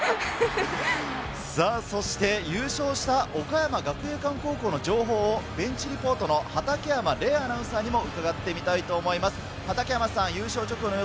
優勝した岡山学芸館高校の情報をベンチリポートの畠山伶アナウンサーにも伺ってみたいと思います。